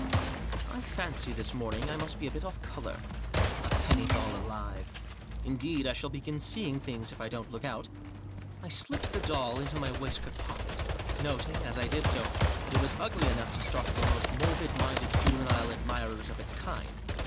m I fancy this morning I must be a bit off colour. A penny doll alive, indeed ! I shall begin seeing things if I dont took out." I slipped the doll into my waistcoat pocket ; noting, as I did so, that it was ugly enough to startte the most mortwd minded juvenile admirers of Its kind.